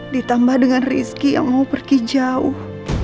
ditambah dengan rizki yang mau pergi jauh